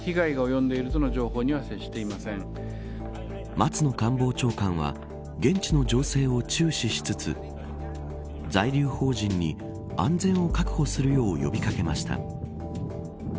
松野官房長官は現地の情勢を注視しつつ在留邦人に安全を確保するよう呼び掛けました。